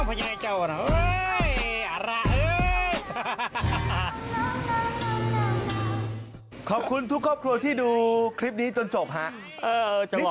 พะยัยเจ้าเออเออขอบคุณทุกครอบครัวที่ดูคลิปนี้จนจบฮะเออเออ